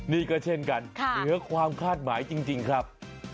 นี่ก็เช่นกันเหนือความคาดหมายจริงครับ